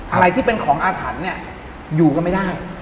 อะไรที่เป็นของอาถรรพ์เนี่ยอยู่ก็ไม่ได้